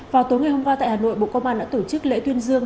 vào tối ngày hôm qua tại hà nội bộ công an đã tổ chức lễ tuyên dương